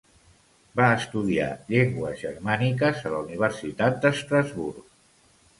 Va estudiar llengües germàniques a la Universitat d'Estrasburg.